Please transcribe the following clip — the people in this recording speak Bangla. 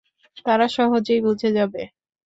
তারা সহজেই বুঝে যাবে।